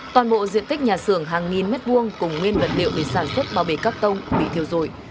toàn bộ diện tích nhà sưởng hàng nghìn mét vuông cùng nguyên vật liệu để sản xuất bao bề cắp tông bị thiêu dội